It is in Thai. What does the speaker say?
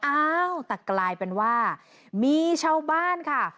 อ้าวแต่กลายเป็นว่ามีชาวบ้านค่ะ